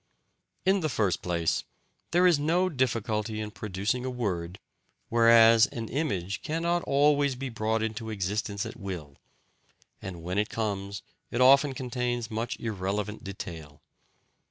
In the first place, there is no difficulty in producing a word, whereas an image cannot always be brought into existence at will, and when it comes it often contains much irrelevant detail.